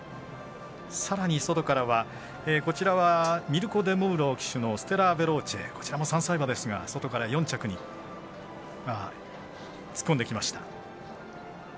さらに外からはミルコ・デムーロ騎手のステラヴェローチェこちらも３歳馬ですが外から４着に突っ込んできました。